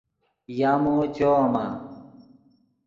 یامو چویمآ؟